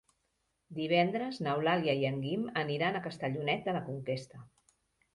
Divendres n'Eulàlia i en Guim aniran a Castellonet de la Conquesta.